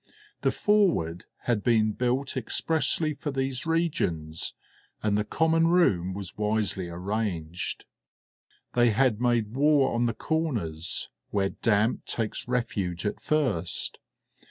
The Forward had been built expressly for these regions, and the common room was wisely arranged. They had made war on the corners, where damp takes refuge at first.